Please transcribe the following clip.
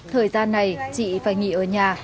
thời gian này chị phải nghỉ ở nhà